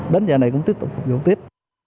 đến giờ này cũng tiếp tục phục vụ tiếp